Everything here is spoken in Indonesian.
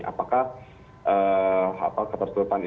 apakah keterstutupan informasi